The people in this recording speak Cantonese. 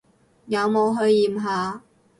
有冇去驗下？